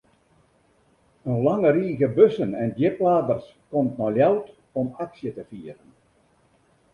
In lange rige bussen en djipladers komt nei Ljouwert om aksje te fieren.